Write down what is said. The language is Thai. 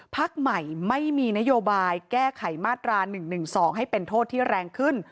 พักใหม่ไม่มีนโยบายแก้ไขมาตรา๑๑๒ให้เป็นโทษที่แรงขึ้น